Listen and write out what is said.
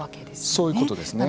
そういうことですね。